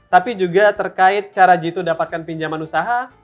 tapi juga terkait cara jitu dapatkan pinjaman usaha